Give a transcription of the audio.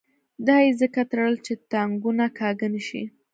دا یې ځکه تړل چې تاکونه کاږه نه شي.